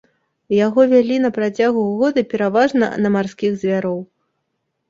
Яго вялі на працягу года пераважна на марскіх звяроў.